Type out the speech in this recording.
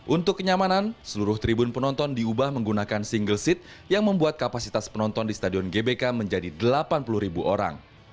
untuk kenyamanan seluruh tribun penonton diubah menggunakan single seat yang membuat kapasitas penonton di stadion gbk menjadi delapan puluh ribu orang